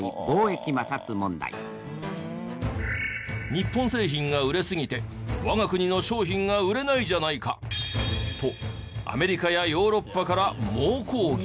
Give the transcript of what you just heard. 「日本製品が売れすぎて我が国の商品が売れないじゃないか！」とアメリカやヨーロッパから猛抗議。